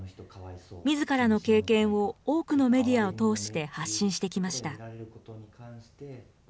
みずからの経験を多くのメディアを通して発信してきました。